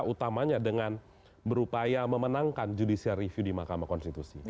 utamanya dengan berupaya memenangkan judicial review di mahkamah konstitusi